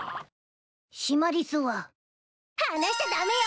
シマリスは「離しちゃダメよ！